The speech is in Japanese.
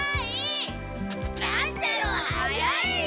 乱太郎速い！